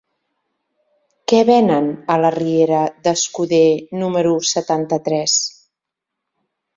Què venen a la riera d'Escuder número setanta-tres?